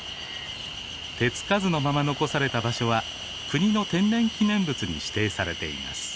手付かずのまま残された場所は国の天然記念物に指定されています。